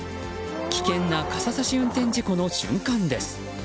危険な傘さし運転事故の瞬間です。